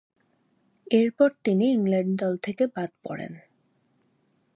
এরপর তিনি ইংল্যান্ড দল থেকে বাদ পড়েন।